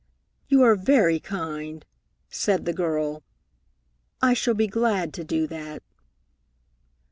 "You are very kind," said the girl. "I shall be glad to do that."